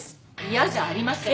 嫌じゃありません。